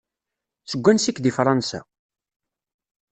Seg wansi-k deg Fransa?